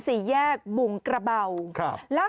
สุดยอดดีแล้วล่ะ